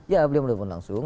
ya beliau menelpon langsung